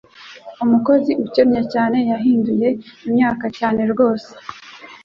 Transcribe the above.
Umukozi ukennye cyane yahinduye imyaka cyane rwose